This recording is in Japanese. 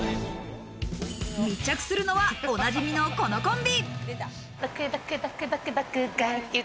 密着するのは、おなじみのこのコンビ。